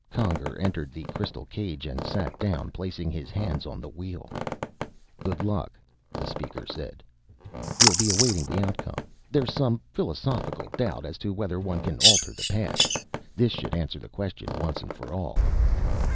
Conger entered the crystal cage and sat down, placing his hands on the wheel. "Good luck," the Speaker said. "We'll be awaiting the outcome. There's some philosophical doubt as to whether one can alter the past. This should answer the question once and for all."